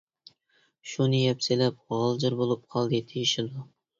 شۇنى يەپ سېلىپ غالجىر بولۇپ قالدى دېيىشىدۇ.